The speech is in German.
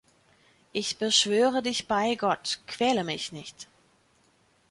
Ich beschwöre dich bei Gott: Quäle mich nicht!